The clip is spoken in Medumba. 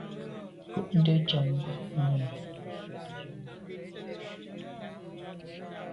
Nkù nde njam ba nyàm.